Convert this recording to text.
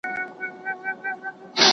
تاسي تل د نېکو خلګو په مجلس کي کښېنئ.